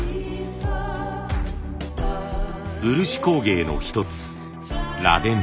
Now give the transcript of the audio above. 漆工芸の一つ「螺鈿」。